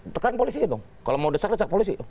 tekan polisi aja dong kalau mau desak desak polisi